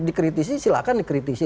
dikritisi silahkan dikritisi